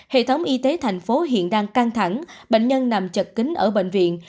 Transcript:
hệ thống y tế thành phố hiện đang căng thẳng bệnh nhân nằm chật kính ở bệnh viện